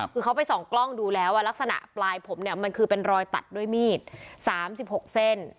คือเขาไปส่องกล้องดูแล้วลักษณะปลายผมเนี่ยมันคือเป็นรอยตัดด้วยมีด๓๖เส้น